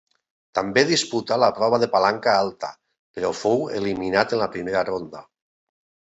També disputà la prova de palanca alta, però fou eliminat en la primera ronda.